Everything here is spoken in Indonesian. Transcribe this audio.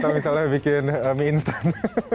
atau misalnya bikin mie instan